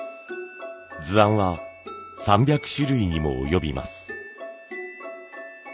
図案は３００種類にも及びます。